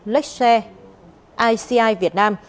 lecce ici việt nam